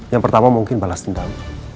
yang pertama mungkin balas dendam